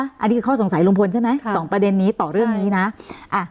อันนี้คือข้อสงสัยลุงพลใช่ไหมสองประเด็นนี้ต่อเรื่องนี้นะ